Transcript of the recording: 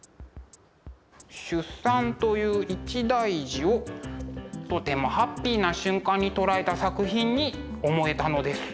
出産という一大事をとてもハッピーな瞬間に捉えた作品に思えたのです。